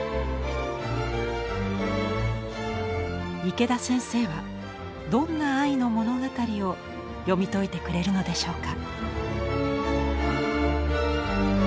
池田先生はどんな愛の物語を読み解いてくれるのでしょうか。